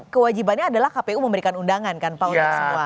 kewajibannya adalah kpu memberikan undangan kan pak untuk semua